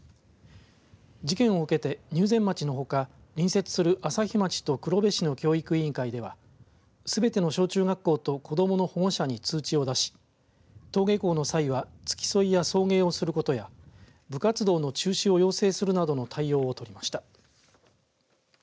事件を受けて入善町のほか隣接する朝日町と黒部市の教育委員会ではすべての小中学校と子どもの保護者に通知を出し登下校の際は付き添いや送迎することや部活動の中止を要請するなどの対応を取りました。